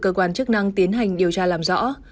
cơ quan chức năng tiến hành điều tra làm rõ